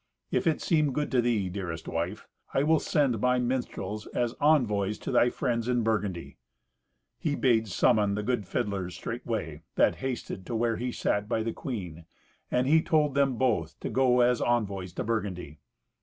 If it seem good to thee, dearest wife, I will send my minstrels as envoys to thy friends in Burgundy." He bade summon the good fiddlers straightway, that hasted to where he sat by the queen, and he told them both to go as envoys to Burgundy.